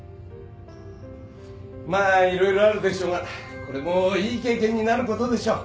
まあ色々あるでしょうがこれもいい経験になることでしょう。